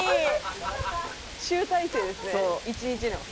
集大成ですね１日の。